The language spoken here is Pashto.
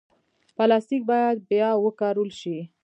پلاستيک باید بیا وکارول شي.